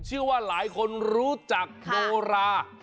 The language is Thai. เชื่อว่าหลายคนรู้จักโนรา